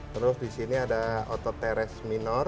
terus di sini ada otot teres minor